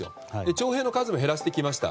徴兵の数を減らしてきました。